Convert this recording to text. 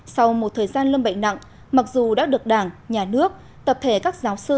sau một thời gian lâm bệnh nặng mặc dù đã được đảng nhà nước tập thể các giáo sư